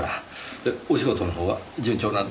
でお仕事のほうは順調なんですか？